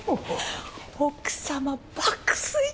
奥様爆睡！